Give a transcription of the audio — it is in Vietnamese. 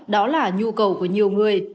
đó là nhu cầu của nhiều người